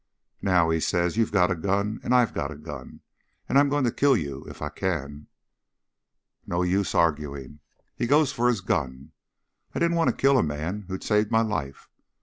"'Now,' says he, 'you've got a gun, and I've got a gun, and I'm going to kill you if I can.' "No use arguing. He goes for his gun. I didn't want to kill a man who'd saved my life.